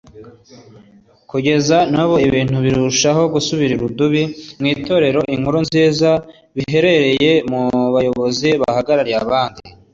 Kugeza n’ubu ibintu birushaho gusubira irudubi mu Itorero Inkuru Nziza bihereye mu bayobozi bahagarariye abandi